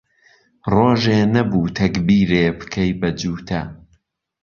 رۆژێ نهبوو تهگبیرێ بکهی به جووته